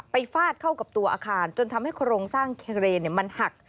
ฟาดเข้ากับตัวอาคารจนทำให้โครงสร้างเครนมันหัก